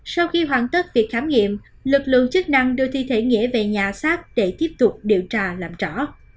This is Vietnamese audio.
sau khi hoàn tất việc khám nghiệm lực lượng chức năng đưa thi thể nghĩa về nhà xác để tiếp tục điều tra làm rõ